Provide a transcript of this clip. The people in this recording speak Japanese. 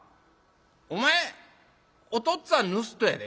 お前お父っつぁん盗人やで？